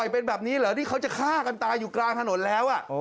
เป็นแบบนี้เหรอที่เขาจะฆ่ากันตายอยู่กลางถนนแล้ว